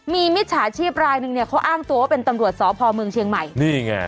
มีมิจฉาชีพรายนึงเนี่ยเขาอ้างตัวว่าเป็นตำรวจสพเมืองเชียงใหม่นี่ไง